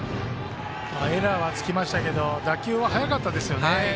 エラーがつきましたけど打球が速かったですよね。